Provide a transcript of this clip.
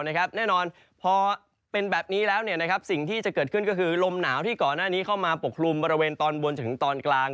แน่นอนพอเป็นแบบนี้แล้วสิ่งที่จะเกิดขึ้นก็คือลมหนาวที่ก่อนหน้านี้เข้ามาปกคลุมบริเวณตอนบนจนถึงตอนกลาง